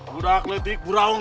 budak letik burawang pisang